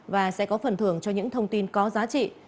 và sẽ có phần thưởng cho những thông tin có giá trị